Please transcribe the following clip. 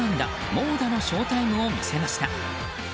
猛打のショータイムを見せました。